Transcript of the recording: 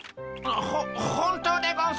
ほ本当でゴンス。